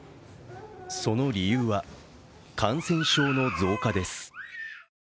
その理由は感染症の増加です。